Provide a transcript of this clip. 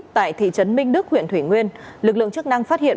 tại thị trấn minh đức huyện thủy nguyên lực lượng chức năng phát hiện